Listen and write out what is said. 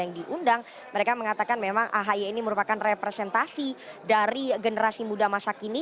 yang diundang mereka mengatakan memang ahy ini merupakan representasi dari generasi muda masa kini